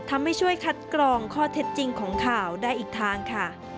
ทำให้ช่วยคัดกรองข้อเท็จจริงของข่าวได้อีกทางค่ะ